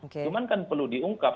cuma kan perlu diungkap